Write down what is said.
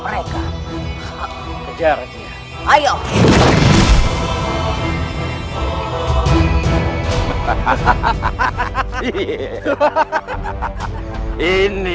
mereka dapat langsung menarni